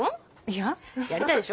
やりたいでしょ？